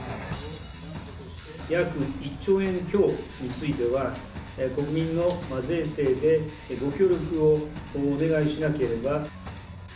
約１兆円強については、国民の税制でご協力をお願いしなければ。